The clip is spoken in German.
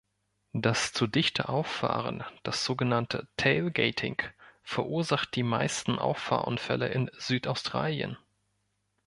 Das zu dichte Auffahren, das sogenannte Tailgating, verursacht die meisten Auffahrunfälle in Südaustralien.